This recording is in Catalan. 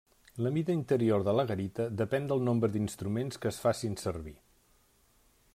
La mida interior de la garita depèn del nombre d'instruments que es facin servir.